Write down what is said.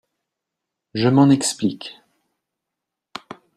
Je m’en explique.